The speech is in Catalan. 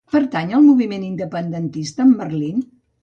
Pertany al moviment independentista el Merlin?